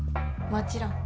もちろん。